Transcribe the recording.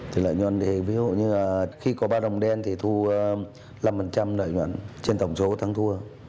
thì lợi nhuận thì ví dụ như là khi có ba đồng đen thì thu năm lợi nhuận trên tổng số tăng thua